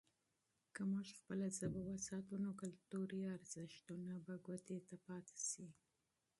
که موږ خپله ژبه وساتو، نو کلتوري ارزښتونه به ګوته ته پاتې سي.